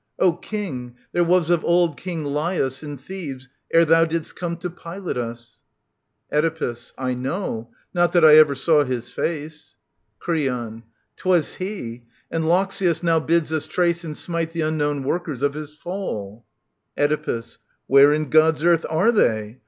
D King, there was of old King Laius In Thebes, ere thou didst come to pilot us. Oedipus. I know : not that I ever saw his face. Creon. 'Twas he. And Loxias now bids us trace And smite the unknown workers of his fall. Oedipus. Where in God's earth are they